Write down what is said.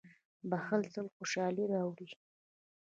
• بښل تل خوشالي راوړي.